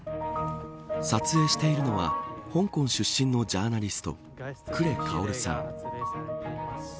撮影しているのは香港出身のジャーナリストクレ・カオルさん。